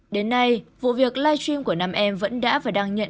đến nay vụ việc live stream của nam em vẫn đã và đang nhận